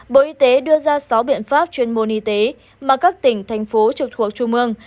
bộ y tế đưa ra sáu biện pháp chuyên môn y tế mà các tỉnh thành phố trực thuộc trung ương